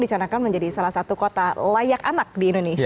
dicanakan menjadi salah satu kota layak anak di indonesia